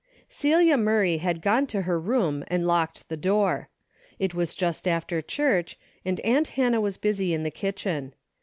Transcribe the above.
Celia Murray had gone to her room and locked the door. It was just after church, and aunt Hannah was busj in the kitchen.